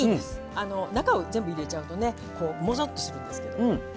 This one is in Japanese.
中を全部入れちゃうとねこうもぞっとするんですけど。